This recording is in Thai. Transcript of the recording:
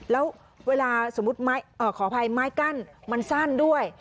แล้วเวลาสมมุติขออภัยไม้กั้นมันสั้นด้วย